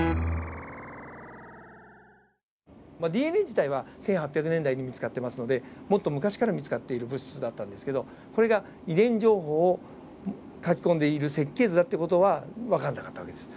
ＤＮＡ自体は１８００年代に見つかってますのでもっと昔から見つかっている物質だったんですけどこれが遺伝情報を書き込んでいる設計図だって事は分かんなかった訳です。